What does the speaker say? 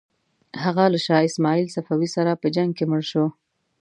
هغه له شاه اسماعیل صفوي سره په جنګ کې مړ شو.